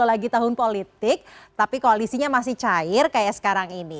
lagi tahun politik tapi koalisinya masih cair kayak sekarang ini